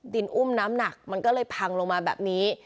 อุ้มน้ำหนักมันก็เลยพังลงมาแบบนี้